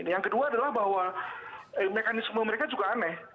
yang kedua adalah bahwa mekanisme mereka juga aneh